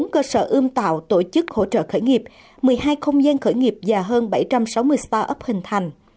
một mươi cơ sở ươm tạo tổ chức hỗ trợ khởi nghiệp một mươi hai không gian khởi nghiệp và hơn bảy trăm sáu mươi start up hình thành